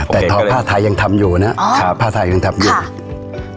แต่ภาษีไทยยังทำอยู่น่ะอ๋อครับภาษีไทยยังทำอยู่ค่ะ